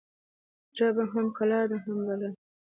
ژبه هم کلا ده، هم بلا